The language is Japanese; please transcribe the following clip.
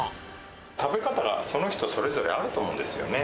食べ方はその人それぞれあると思うんですよね。